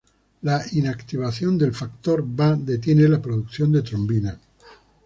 La inactivación del Factor Va detiene la producción de trombina.